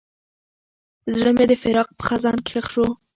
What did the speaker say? زړه مې د فراق په خزان کې ښخ شو.